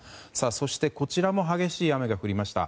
そして、こちらも激しい雨が降りました。